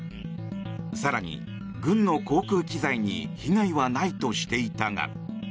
更に軍の航空機材に被害はないとしていたが。